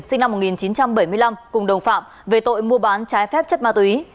sinh năm một nghìn chín trăm bảy mươi năm cùng đồng phạm về tội mua bán trái phép chất ma túy